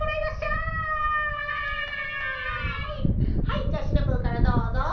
はいじゃあシナプーからどうぞ。